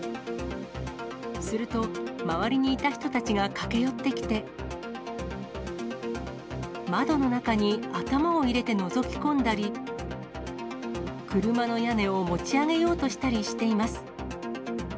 すると、周りにいた人たちが駆け寄ってきて、窓の中に頭を入れてのぞき込んだり、車の屋根を持ち上げようとしたりしています。